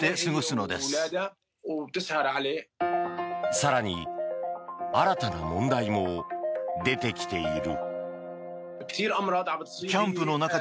更に新たな問題も出てきている。